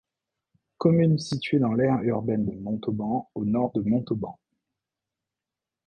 Commune située dans l'aire urbaine de Montauban au nord de Montauban.